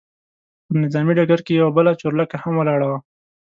پر نظامي ډګر کې یوه بله چورلکه هم ولاړه وه.